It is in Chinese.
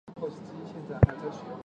此站月台上方设有全长的夹层。